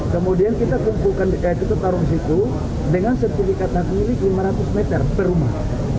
kemudian kita taruh di situ dengan sertifikat yang milik lima ratus meter per rumah